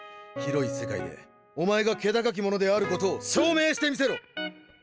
広い世界でお前が気高き者であることを証明してみせろ！